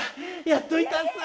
やっといたっす。